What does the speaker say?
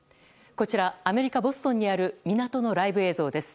こちらはアメリカ・ボストンにある港のライブ映像です。